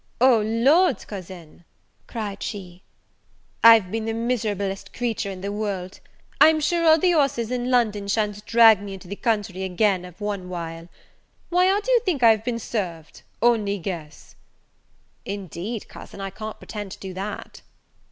"O Lord, cousin," cried she, "I've been the miserablest creature in the world! I'm sure all the horses in London sha'n't drag me into the country again of one while: why, how do you think I've been served? only guess." "Indeed, cousin, I can't pretend to do that."